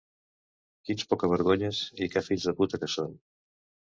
Quins pocavergonyes i que fills de puta que són!